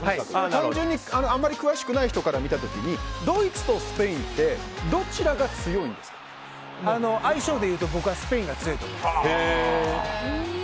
単純にあまり詳しくない人から見た時にドイツとスペインって相性でいうと僕はスペインが強いと思います。